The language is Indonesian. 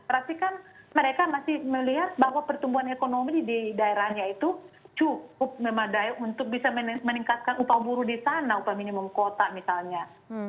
jadi kan mereka masih melihat bahwa pertumbuhan ekonomi di daerahnya itu cukup untuk bisa meningkatkan upah buruh di sana upah minimum kota misalnya